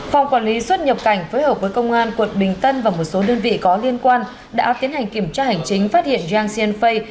phòng quản lý xuất nhập cảnh phối hợp với công an quận bình tân và một số đơn vị có liên quan đã tiến hành kiểm tra hành chính phát hiện yang xianfei